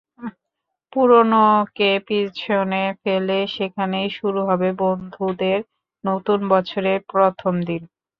পুরোনোকে পেছনে ফেলে সেখানেই শুরু হবে বন্ধুদের নতুন বছরের প্রথম দিন।